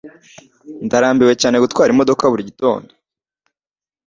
Ndarambiwe cyane gutwara imodoka buri gitondo.